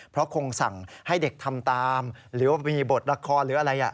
เพราะคงสั่งให้เด็กทำตามหรือว่ามีบทละครหรืออะไร